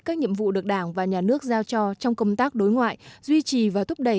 các nhiệm vụ được đảng và nhà nước giao cho trong công tác đối ngoại duy trì và thúc đẩy